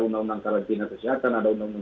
undang undang karantina kesehatan